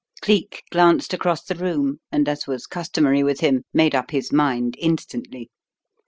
Cleek glanced across the room, and, as was customary with him, made up his mind instantly.